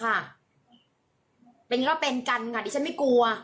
เป็นอย่างนี้ก็เป็นกันค่ะดิฉันไม่กลัว